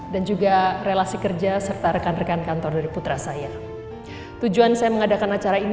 dan juga relasi kerja serta rekan rekan kantor dari putra saya tujuan saya mengadakan acara ini